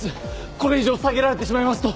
これ以上下げられてしまいますと